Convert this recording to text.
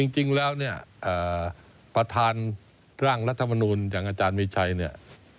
จริงแล้วเนี่ยประธานร่างรัฐมนูลอย่างอาจารย์มีชัยเนี่ย